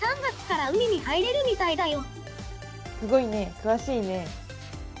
すごいね、詳しいね。